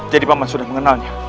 jadi paman sudah mengenalnya